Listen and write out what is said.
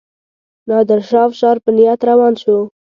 نادرشاه افشار په نیت روان شو.